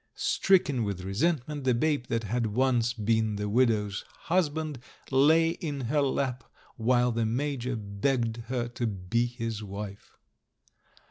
Stricken with resentment, the babe that had once been the widow's husband lay in her lap while the Major begged her to be his wife.